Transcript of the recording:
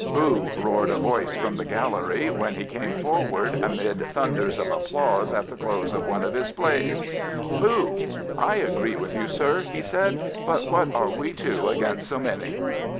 " Bool " roared a voice from the gallery when he came forward, amid thunders of applause, at the close of one of his plays, —" Boo." " I agree with you, sir," he said; " but what are we two against so many?